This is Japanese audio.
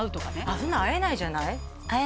そんなん会えないじゃないえ